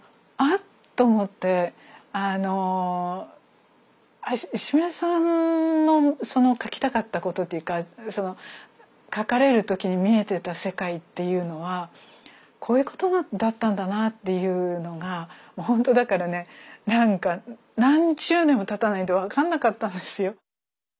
っと思って石牟礼さんのその書きたかったことっていうか書かれる時に見えてた世界っていうのはこういうことだったんだなっていうのがほんとだからねなんか何十年もたたないと分かんなかったんですよ。